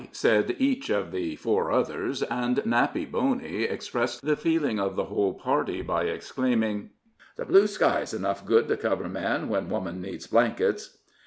said each of the four others; and Nappy Boney expressed the feeling of the whole party by exclaiming: "The blue sky is enough good to cover man when woman needs blankets."